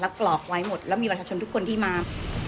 กรอกไว้หมดแล้วมีประชาชนทุกคนที่มา